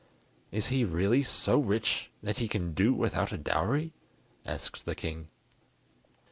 "Is he really so rich that he can do without a dowry?" asked the king.